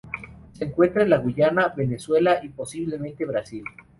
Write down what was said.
Se encuentra en la Guyana, Venezuela y, posiblemente, Brasil.